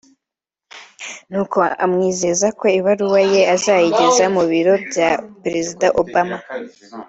nuko amwizeza ko ibaruwa ye azayigeza mu biro bya Perezida Obama